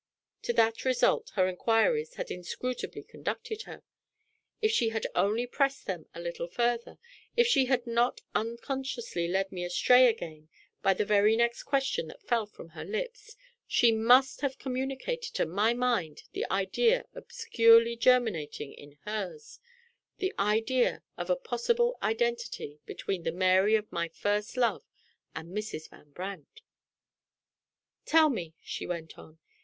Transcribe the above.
To that result her inquiries had inscrutably conducted her! If she had only pressed them a little further if she had not unconsciously led me astray again by the very next question that fell from her lips she must have communicated to my mind the idea obscurely germinating in hers the idea of a possible identity between the Mary of my first love and Mrs. Van Brandt! "Tell me," she went on.